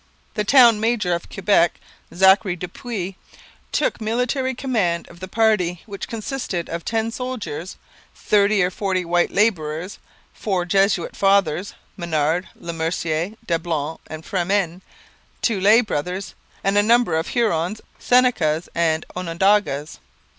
The town major of Quebec, Zachary du Puys, took military command of the party, which consisted of ten soldiers, thirty or forty white labourers, four Jesuit fathers Menard, Le Mercier, Dablon, and Fremin two lay brothers, and a number of Hurons, Senecas, and Onondagas.